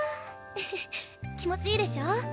ふふっ気持ちいいでしょ？